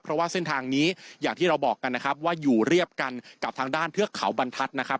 เพราะว่าเส้นทางนี้อย่างที่เราบอกกันนะครับว่าอยู่เรียบกันกับทางด้านเทือกเขาบรรทัศน์นะครับ